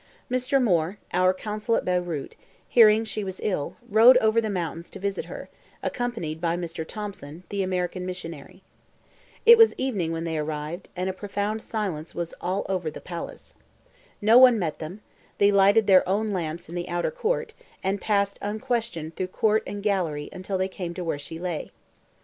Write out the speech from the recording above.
Mr. Moore, our consul at Beyrout, hearing she was ill, rode over the mountains to visit her, accompanied by Mr. Thomson, the American missionary. It was evening when they arrived, and a profound silence was over all the palace. No one met them; they lighted their own lamps in the outer court, and passed unquestioned through court and gallery until they came to where she lay.